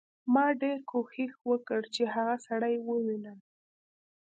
ما ډېر کوښښ وکړ چې هغه سړی ووینم